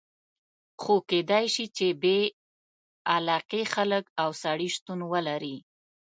خو کېدای شي چې بې علاقې خلک او سړي شتون ولري.